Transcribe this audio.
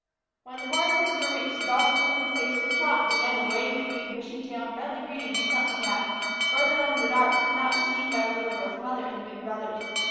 When the corn cribs were reached, the dog quickened his pace to a trot and began to wave his big, bushy tail in friendly greeting to something that, farther on in the dark, could not be seen by the little girl's mother and the big brothers.